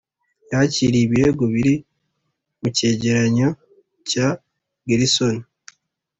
yakiriye ibirego biri mu cyegeranyo cya gersony